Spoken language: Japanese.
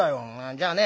「じゃあね